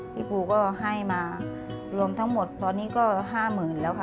พี่ปูก็ให้มารวมทั้งหมดตอนนี้ก็๕๐๐๐แล้วค่ะ